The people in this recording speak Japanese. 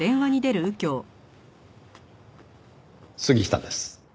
杉下です。